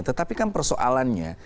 tetapi kan persoalannya